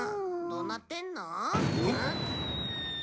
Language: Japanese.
どうなってんの？